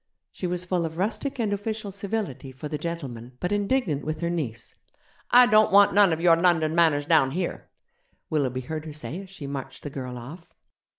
She was full of rustic and official civility for 'the gentleman', but indignant with her niece. 'I don't want none of your London manners down here,' Willoughby heard her say as she marched the girl off.